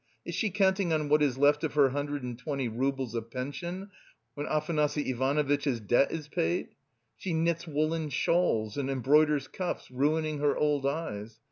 Is she counting on what is left of her hundred and twenty roubles of pension when Afanasy Ivanovitch's debt is paid? She knits woollen shawls and embroiders cuffs, ruining her old eyes.